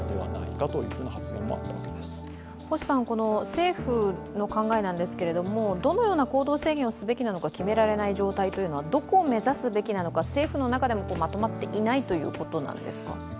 政府の考えなんですが、どのような行動制限をすべきなのか決められない状態というのはどこを目指すべきなのか、政府の中でもまとまっていないということなんですか？